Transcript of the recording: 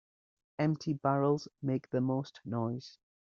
Empty barrels make the most noise.